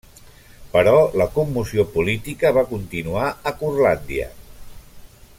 Però la commoció política va continuar a Curlàndia.